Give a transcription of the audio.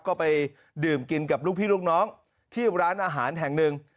ก็ไปดื่มกินกับลูกพี่ลูกน้องที่ร้านอาหารแห่งหนึ่ง